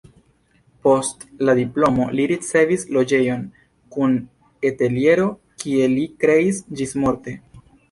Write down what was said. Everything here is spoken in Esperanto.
Post la diplomo li ricevis loĝejon kun ateliero, kie li kreis ĝismorte.